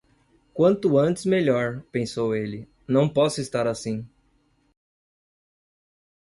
Quanto antes, melhor, pensou ele; não posso estar assim...